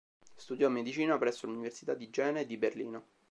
Studiò medicina presso l'Università di Jena e di Berlino.